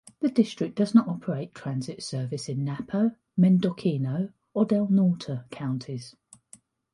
The District does not operate transit service in Napa, Mendocino, or Del Norte counties.